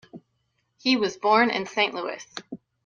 He was born in Saint Louis.